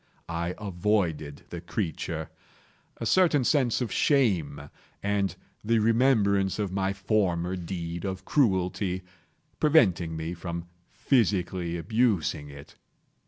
I avoided the creature; a certain sense of shame, and the remembrance of my former deed of cruelty, preventing me from physically abusing it.